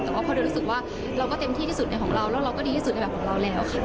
แต่ว่าพอเรารู้สึกว่าเราก็เต็มที่ที่สุดในของเราแล้วเราก็ดีที่สุดในแบบของเราแล้วค่ะ